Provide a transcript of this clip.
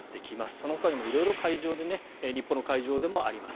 そのほかも色々日本の会場でもあります。